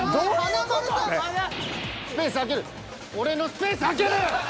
スペース空ける。